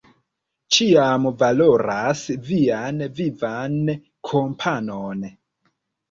Ĉiam valoras vian vivan kompanon.